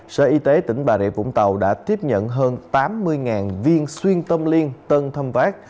sở y tế tỉnh bà rịa vũng tàu đã tiếp nhận hơn tám mươi viên xuyên tâm liên tân thâm vác